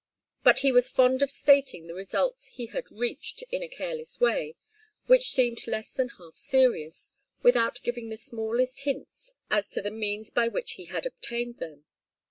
But he was fond of stating the results he had reached, in a careless way, which seemed less than half serious, without giving the smallest hint as to the means by which he had obtained them.